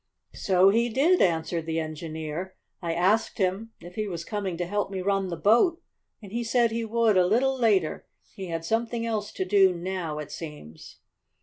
"So he did," answered the engineer. "I asked him if he was coming to help me run the boat, and he said he would a little later. He had something else to do now, it seems."